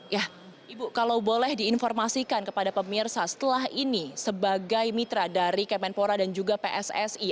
ya ibu kalau boleh diinformasikan kepada pemirsa setelah ini sebagai mitra dari kemenpora dan juga pssi